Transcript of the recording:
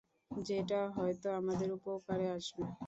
যেটা হয়ত আমাদের উপকারে আসবে।